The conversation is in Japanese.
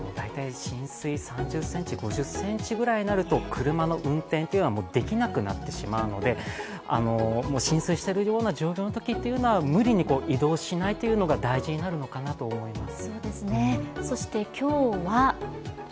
浸水３０ｃｍ、５０ｃｍぐらいになると車の運転はできなくなってしまうので、浸水しているような状況のときは無理に移動しないというのが大事になるのかなと思います。